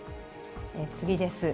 次です。